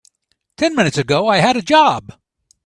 Ten minutes ago I had a job.